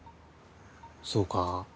そうか？